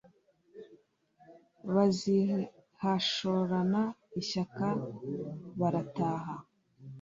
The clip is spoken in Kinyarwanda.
bazihashorana ishyaka barataha .